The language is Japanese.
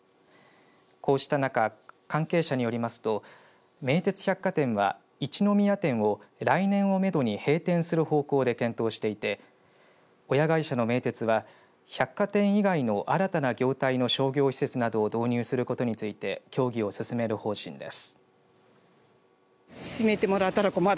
こうした中、関係者によりますと名鉄百貨店は一宮店を来年をめどに閉店する方向で検討していて親会社の名鉄は百貨店以外の新たな業態の商業施設などを導入することについて協議を進める方針です。